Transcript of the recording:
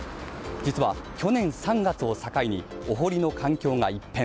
実は去年３月を境にお堀の環境が一変。